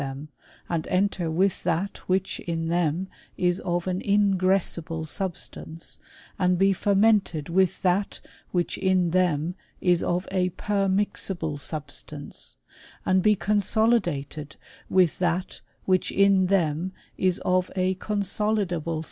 them, and enter with that which in them is of an in gressible substance, and be fermented with that whidi in them is of a permixable substance ; and be con solidated with that which in them is of a consolidable CHEMISTRY OF THE ARABIANS.